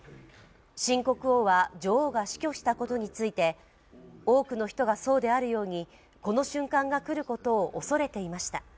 新国王は女王が死去したことについて多くの人がそうであるように、この瞬間が来ることを恐れていました。